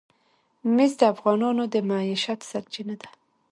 مس د افغانانو د معیشت سرچینه ده.